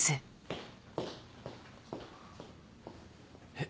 えっ？